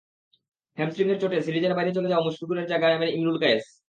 হ্যামস্ট্রিংয়ের চোটে সিরিজের বাইরে চলে যাওয়া মুশফিকুরের জায়গা নেবেন ইমরুল কায়েস।